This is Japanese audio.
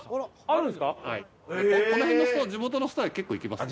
この辺の人は地元の人は結構行きますよ。